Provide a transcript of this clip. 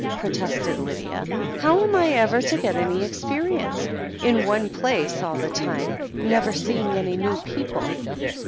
protested Lydia. "How am I ever to get any experience, in one place all the time, never seeing any new people